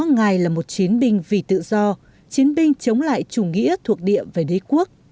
ngài là một chiến binh vì tự do chiến binh chống lại chủ nghĩa thuộc địa về đế quốc